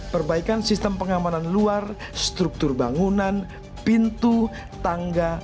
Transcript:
perbaikan sistem pengamanan luar struktur bangunan pintu tangga